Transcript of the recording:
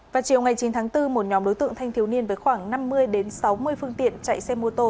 vào chiều ngày chín tháng bốn một nhóm đối tượng thanh thiếu niên với khoảng năm mươi sáu mươi phương tiện chạy xe mô tô